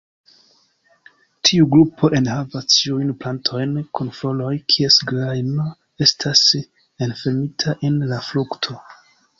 Tiu grupo enhavas ĉiujn plantojn kun floroj kies grajno estas enfermita en la frukto.